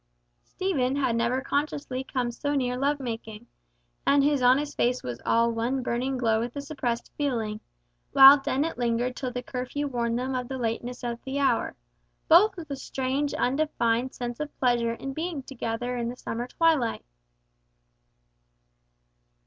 Stephen had never consciously come so near love making, and his honest face was all one burning glow with the suppressed feeling, while Dennet lingered till the curfew warned them of the lateness of the hour, both with a strange sense of undefined pleasure in the being together in the summer twilight.